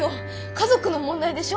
家族の問題でしょ。